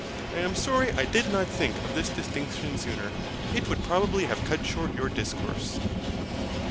I am sorry I did not think of this distinction sooner; it would probably have cut short your discourse.